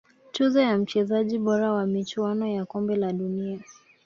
tuzo ya mchezaji bora wa michuano ya kombe la dunia